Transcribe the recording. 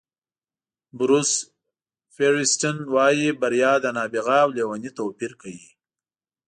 بروس فیریسټن وایي بریا د نابغه او لېوني توپیر کوي.